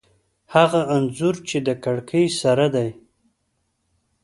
هغه انځور چې د کړکۍ سره دی